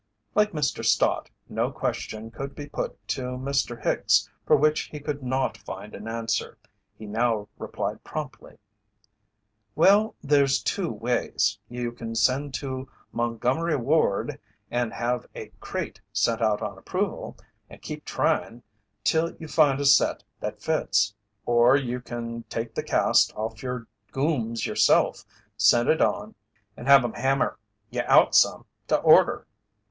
Like Mr. Stott, no question could be put to Mr. Hicks for which he could not find an answer. He now replied promptly: "Well, there's two ways: you can send to Mungummery Ward and have a crate sent out on approval, and keep tryin' till you find a set that fits, or you can take the cast off your gooms yourself, send it on and have 'em hammer you out some to order."